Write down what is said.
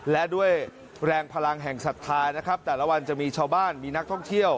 และด้วยแรงพลังแห่งศรัทธานะครับแต่ละวันจะมีชาวบ้านมีนักท่องเที่ยว